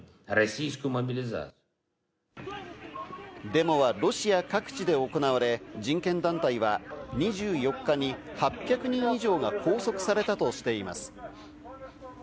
デモはロシア各地で行われ、人権団体は２４日に８００人以上が拘束されたとしています。